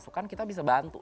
tapi sekarang kita bisa bantu